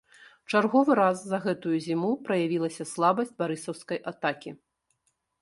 Чарговы раз за гэтую зіму праявілася слабасць барысаўскай атакі.